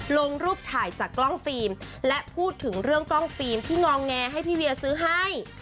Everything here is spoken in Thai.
ลงรูปถ่ายจากกล้องฟิล์มและพูดถึงเรื่องกล้องฟิล์มที่งอแงให้พี่เวียซื้อให้